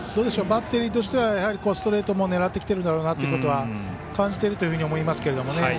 バッテリーとしてはストレートも狙ってきているだろうなというのは感じていると思いますけどね。